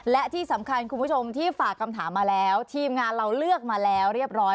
และที่สำคัญคุณผู้ชมที่ฝากคำถามมาแล้วทีมงานเราเลือกมาแล้วเรียบร้อย